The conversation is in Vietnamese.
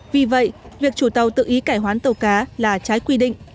vì vậy việc chủ tàu tự ý cải hoán tàu cá là trái quy định